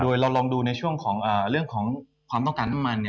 โดยเราลองดูในช่วงของเรื่องของความต้องการน้ำมัน